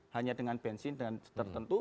hanya dengan bensin tertentu